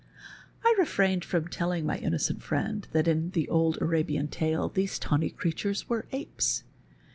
" I refrained from tell ing my innocent friend that in the old Arabian tale these tawny creatures were apes.